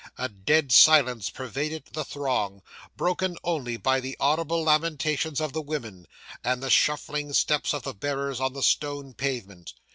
A dead silence pervaded the throng, broken only by the audible lamentations of the women, and the shuffling steps of the bearers on the stone pavement.